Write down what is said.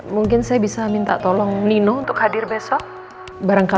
mungkin saya bisa minta tolong nino untuk hadir besok barangkali